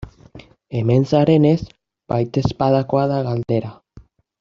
Hemen zarenez, baitezpadakoa da galdera.